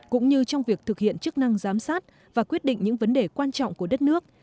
cũng như trong việc thực hiện chức năng giám sát và quyết định những vấn đề quan trọng của đất nước